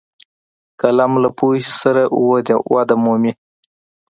قلم له پوهې سره ودې مومي